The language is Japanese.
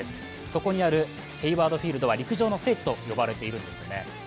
そこにあるヘイワード・フィールドは陸上の聖地と呼ばれているんです。